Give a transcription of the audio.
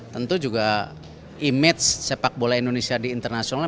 tentu juga image sepak bola indonesia di internasional